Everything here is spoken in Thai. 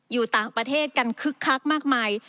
อยู่ต่างประเทศกันคึกคักมากมาย